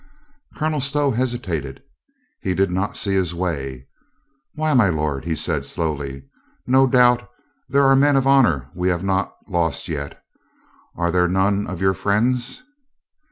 Colonel Stow hesitated. He did not see his way. "Why, my lord," he said slowly, "no doubt there are men of honor we have not lost yet Are there none of your friends?"